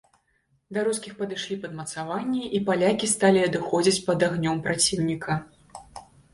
Да рускіх падышлі падмацаванні, і палякі сталі адыходзіць пад агнём праціўніка.